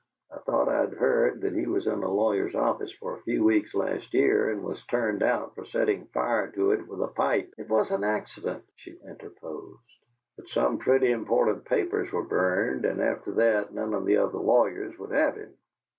I thought I'd heard that he was in a lawyer's office for a few weeks last year, and was turned out for setting fire to it with a pipe " "It was an accident," she interposed. "But some pretty important papers were burned, and after that none of the other lawyers would have him."